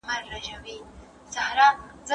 انګلیسانو د ښار وضعیت څارل.